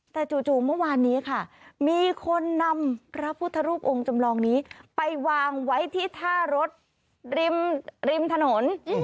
แต่จู่เมื่อวานนี้ค่ะมีคนนำพระพุทธรูปองค์จำลองนี้ไปวางไว้ที่ท่ารถริมถนน